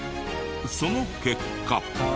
その結果。